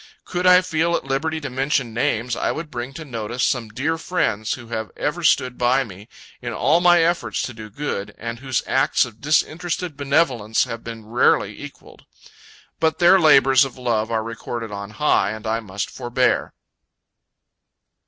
Could I feel at liberty to mention names, I would bring to notice some dear friends who have ever stood by me, in all my efforts to do good, and whose acts of disinterested benevolence have been rarely equaled. But their labors of love are recorded on high, and I must forbear.